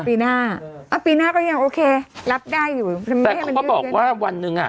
ปีหน้าอ่าปีหน้าก็ยังโอเครับได้อยู่ใช่ไหมแต่เขาก็บอกว่าวันหนึ่งอ่ะ